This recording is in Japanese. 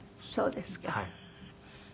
あっそうですか。